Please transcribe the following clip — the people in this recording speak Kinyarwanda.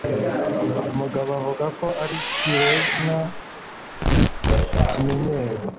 mugabo avuga ko ari ikiremwa kimenyero.